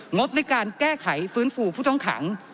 งบในการแก้ไขฟื้นฟูผู้ต้องขัง